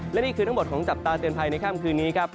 และนี่คือทั้งหมดของจับตาเตือนภัยในค่ำคืนนี้ครับ